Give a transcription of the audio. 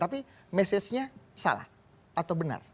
tapi mesenya salah atau benar